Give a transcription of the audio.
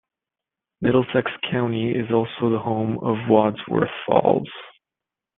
Middlesex County is also the home of Wadsworth Falls.